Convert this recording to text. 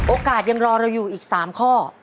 โอกาสยังรอเราอยู่อีก๓ข้อ